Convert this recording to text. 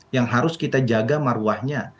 yang harus kita jaga marwahnya